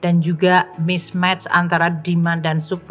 dan juga mismatch antara demand dan supply disruption